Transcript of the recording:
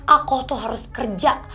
aku tuh harus kerja